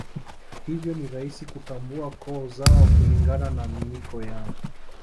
Hivyo ni rahisi kutambua koo zao kulingana na miiko yao